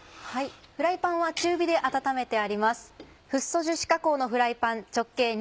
フライパンは中火で温めてあります。